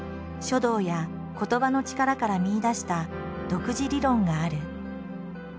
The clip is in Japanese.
書道や言葉の力から見いだした独自理論がある。